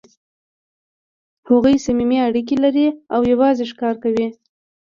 هغوی صمیمي اړیکې لري او یو ځای ښکار کوي.